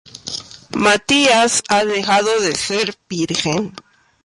Matías ha dejado de ser virgen.